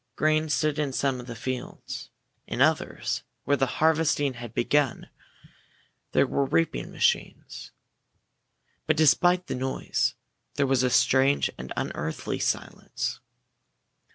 Grain stood in some of the fields. In others, where the harvesting had begun, there were reaping machines. But despite the noise, there was a strange and unearthly silence.